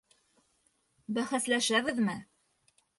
Бәхәсләшәбеҙме?